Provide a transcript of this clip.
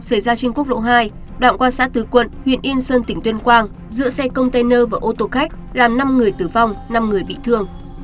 xảy ra trên quốc lộ hai đoạn qua xã tứ quận huyện yên sơn tỉnh tuyên quang giữa xe container và ô tô khách làm năm người tử vong năm người bị thương